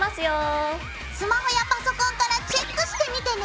スマホやパソコンからチェックしてみてね！